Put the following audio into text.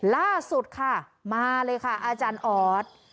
ล่าสุดค่ะมาเลยค่ะอาจารย์ออส